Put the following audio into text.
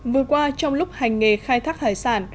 vừa qua trong lúc hành nghề khai thác hải sản